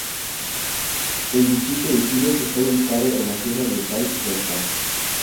El distrito de Sihuas está ubicado en la Sierra Oriental de Áncash.